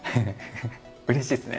うれしいですね。